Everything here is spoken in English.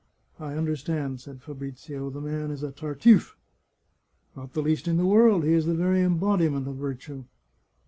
" I understand," said Fabrizio ;" the man is a Tar tuflfe." " Not the least in the world ; he is the very embodiment of virtue."